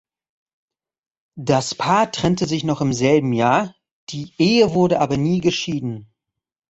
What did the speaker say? Das Paar trennte sich noch im selben Jahr, die Ehe wurde aber nie geschieden.